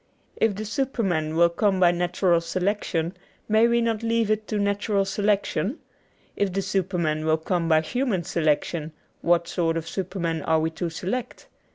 If the superman will come by natural selection, may we not leave it to natural selection ? If the superman will come by human selection, what sort of superman are we to select ?